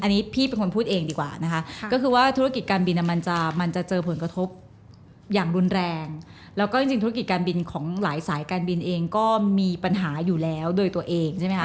อันนี้พี่เป็นคนพูดเองดีกว่านะคะก็คือว่าธุรกิจการบินมันจะมันจะเจอผลกระทบอย่างรุนแรงแล้วก็จริงธุรกิจการบินของหลายสายการบินเองก็มีปัญหาอยู่แล้วโดยตัวเองใช่ไหมคะ